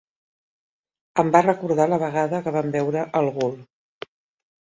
Em va recordar la vegada que vam veure al gul.